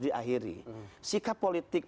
diakhiri sikap politik